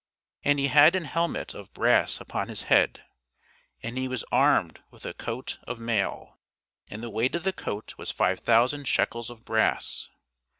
And he had an helmet of brass upon his head, and he was armed with a coat of mail; and the weight of the coat was five thousand shekels of brass.